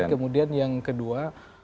kemudian yang kedua